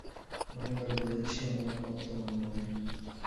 অনেকবার বলেছি আমার পথ তোমার নয়।